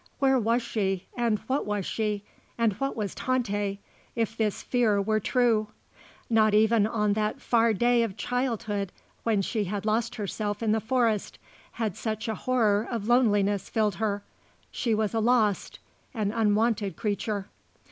Where was she and what was she, and what was Tante, if this fear were true? Not even on that far day of childhood when she had lost herself in the forest had such a horror of loneliness filled her. She was a lost, an unwanted creature.